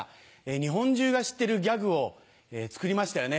日本中が知ってるギャグを作りましたよね